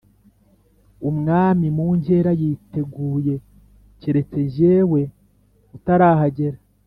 umwami mu nkera yiteguye keretse jyewe utarahagera